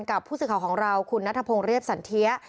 กับผู้สื่อข่าวของเราคุณนัทพงศ์เรียบสันเทีย